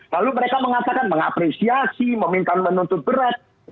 lalu mereka mengatakan mengapresiasi meminta menuntut berat